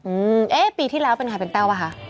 อืมเอ๊ะปีที่แล้วเป็นใครเป็นแต้วป่ะคะ